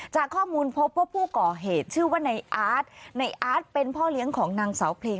จากข้อมูลพบว่าผู้ก่อเหตุชื่อว่าในอาร์ตในอาร์ตเป็นพ่อเลี้ยงของนางสาวเพลง